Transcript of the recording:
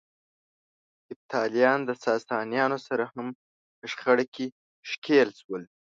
هېپتاليان د ساسانيانو سره هم په شخړه کې ښکېل شول.